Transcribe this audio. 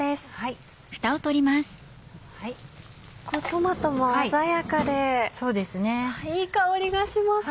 トマトも鮮やかでいい香りがします！